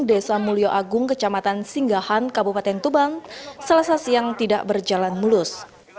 desa mulyo agung kecamatan singgahan kabupaten tuban selasa siang tidak berjalan mulus